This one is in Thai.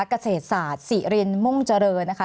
เกษตรศาสตร์ศิรินมุ่งเจริญนะคะ